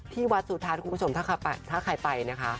ที่วัดสุทัศน์คุณผู้ชมถ้าใครไปนะคะ